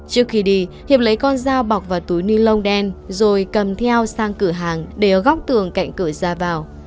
trước khi đi hiệp lấy con dao bọc vào túi ni lông đen rồi cầm theo sang cửa hàng để góc tường cạnh cửa ra vào